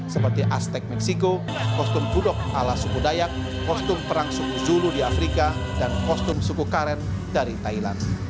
seperti astek meksiko kostum budok ala suku dayak kostum perang suku zulu di afrika dan kostum suku karen dari thailand